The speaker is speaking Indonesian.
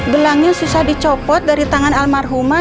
gelangnya susah dicopot dari tangan almarhumah